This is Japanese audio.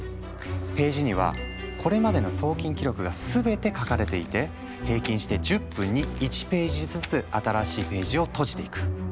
ページにはこれまでの送金記録が全て書かれていて平均して１０分に１ページずつ新しいページをとじていく。